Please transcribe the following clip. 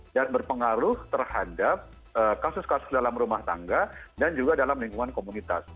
dan berpengaruh terhadap kasus kasus dalam rumah tangga dan juga dalam lingkungan komunitas